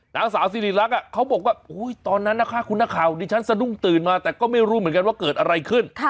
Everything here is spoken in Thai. นางสาวสิริรักษ์เขาบอกว่าตอนนั้นนะคะคุณนักข่าวดิฉันสะดุ้งตื่นมาแต่ก็ไม่รู้เหมือนกันว่าเกิดอะไรขึ้น